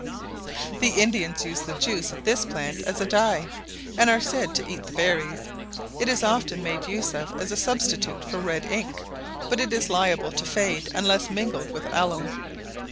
The Indians use the juice of this plant as a dye, and are said to eat the berries: it is often made use of as a substitute for red ink, but it is liable to fade unless mingled with alum.